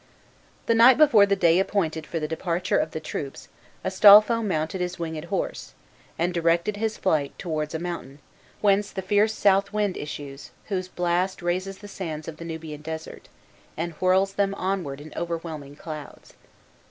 The night before the day appointed for the departure of the troops Astolpho mounted his winged horse, and directed his flight towards a mountain, whence the fierce South wind issues, whose blast raises the sands of the Nubian desert, and whirls them onward in overwhelming clouds.